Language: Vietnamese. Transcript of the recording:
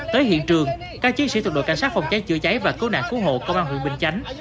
tới hiện trường các chiến sĩ thuộc đội cảnh sát phòng cháy chữa cháy và cứu nạn cứu hộ công an huyện bình chánh